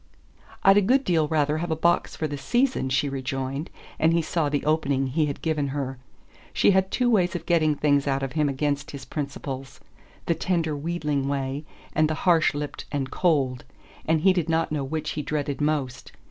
"I'd a good deal rather have a box for the season," she rejoined, and he saw the opening he had given her. She had two ways of getting things out of him against his principles; the tender wheedling way, and the harsh lipped and cold and he did not know which he dreaded most.